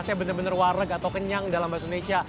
saya benar benar warrek atau kenyang dalam bahasa indonesia